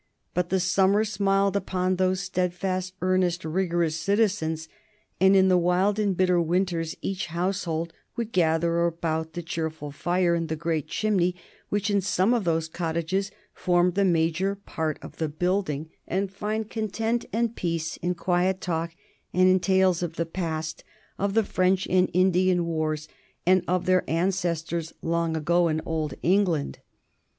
But the summer smiled upon those steadfast, earnest, rigorous citizens, and in the wild and bitter winters each household would gather about the cheerful fire in the great chimney which in some of those cottages formed the major part of the building, and find content and peace in quiet talk and in tales of the past, of the French and Indian wars, and of their ancestors, long ago, in old England.